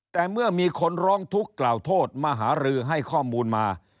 แต่เมื่อมีคนร้องทุกข์กล่าวโทษมหารือให้ข้อมูลมา